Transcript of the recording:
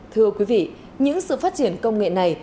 thưa quý vị những sự phát triển công nghệ này